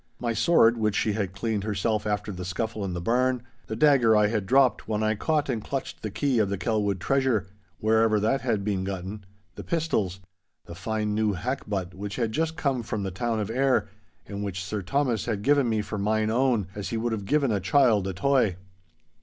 My sword, which she had cleaned herself after the scuffle in the barn; the dagger I had dropped when I caught and clutched the key of the Kelwood treasure, wherever that had been gotten—the pistols; the fine new hackbutt which had just come from the town of Ayr, and which Sir Thomas had given me for mine own, as he would have given a child a toy.